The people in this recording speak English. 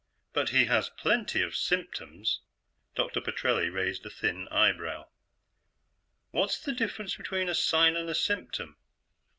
"But he has plenty of symptoms." Dr. Petrelli raised a thin eyebrow. "What's the difference between a sign and a symptom?"